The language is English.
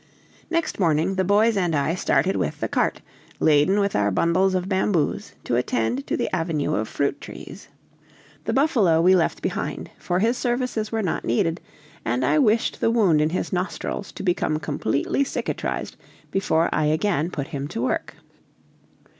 Next morning the boys and I started with the cart, laden with our bundles of bamboos, to attend to the avenue of fruit trees. The buffalo we left behind, for his services were not needed, and I wished the wound in his nostrils to become completely cicatrized before I again put him to work.